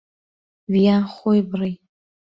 ڤیان خۆی بڕی.